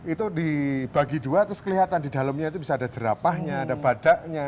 itu dibagi dua terus kelihatan di dalamnya itu bisa ada jerapahnya ada badaknya